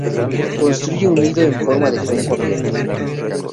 Construye un nido en forma de cuenco abierto.